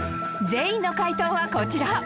全員の解答はこちら